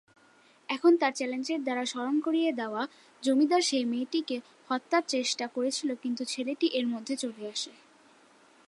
এখন তার চ্যালেঞ্জের দ্বারা স্মরণ করিয়ে দেওয়া, জমিদার সেই মেয়েটিকে হত্যার চেষ্টা করেছিল কিন্তু ছেলেটি এর মধ্যে চলে আসে।